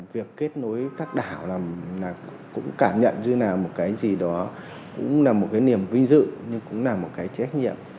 việc kết nối các đảo cũng cảm nhận như thế nào một cái gì đó cũng là một cái niềm vinh dự nhưng cũng là một cái trách nhiệm